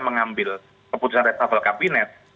mengambil keputusan resapel kabinet